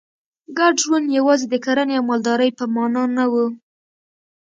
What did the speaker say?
ګډ ژوند یوازې د کرنې او مالدارۍ په معنا نه و